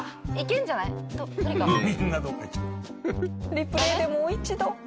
リプレーでもう一度。